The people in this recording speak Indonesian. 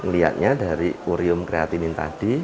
lihatnya dari urium kreatinin tadi